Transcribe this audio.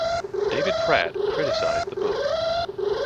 David Pratt criticized the book.